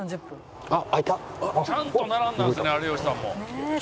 「ちゃんと並んだんですね有吉さんも」